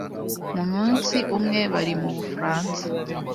Mu munsi umwe, bari mu Bufaransa.